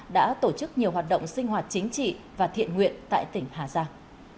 đã tổ chức nhiều hoạt động sinh hoạt chính trị và thiện nguyện tại tỉnh hà giang